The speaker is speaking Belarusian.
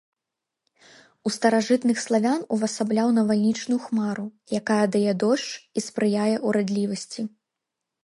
У старажытных славян увасабляў навальнічную хмару, якая дае дождж і спрыяе ўрадлівасці.